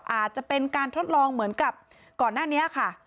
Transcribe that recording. อาจจะเป็นการทดลองเหมือนกับก่อนหน้านี้ค่ะ